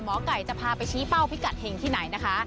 หมอไก่จะพาไปชี้เป้าพิกัดเห็งที่ไหนนะคะ